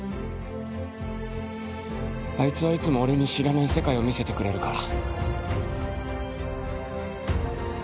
あいつはいつも俺に知らない世界を見せてくれるから